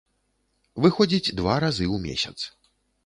Выходзіць два разы ў месяц.